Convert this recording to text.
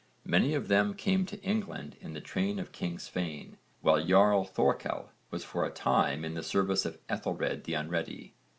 Many of them came to England in the train of king Svein, while Jarl Thorkell was for a time in the service of Ethelred the Unready.